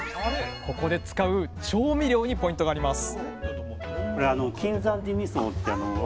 ここで使う調味料にポイントがあります